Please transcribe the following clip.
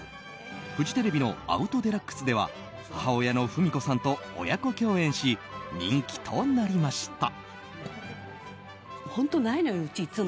フジテレビの「アウト×デラックス」では母親の文子さんと親子共演し人気となりました。